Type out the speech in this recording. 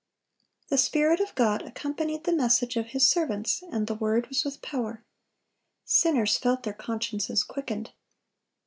The Spirit of God accompanied the message of His servants, and the word was with power. Sinners felt their consciences quickened.